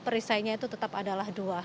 perisainya itu tetap adalah dua